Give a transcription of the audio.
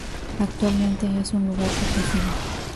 Actualmente es un lugar protegido.